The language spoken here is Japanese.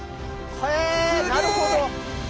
へえなるほど！